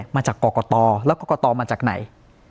มาจากกรกตแล้วกรกตมาจากไหน